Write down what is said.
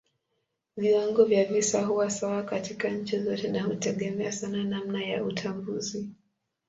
Viwango vya visa huwa sawa katika nchi zote na hutegemea sana namna ya utambuzi.